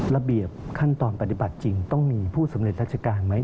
ระเบียบขั้นตอนปฏิบัติจริงต้องมีผู้สำเร็จราชการไหม